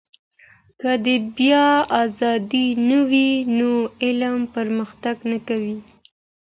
که د بيان ازادي نه وي نو علم پرمختګ نه کوي.